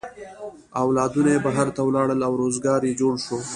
اولادونه یې بهر ته ولاړل او روزگار یې جوړ شو.